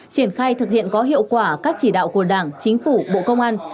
triển khai thực hiện có hiệu quả các chỉ đạo của đảng chính phủ bộ công an